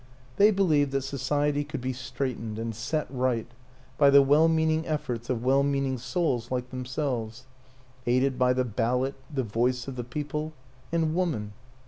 They believed that Society could be straightened and set right by the well meaning efforts of well meaning souls like themselves aided by the Ballot, the Voice of the People, and Woman.